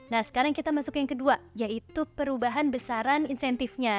nah sekarang kita masuk yang kedua yaitu perubahan besaran insentifnya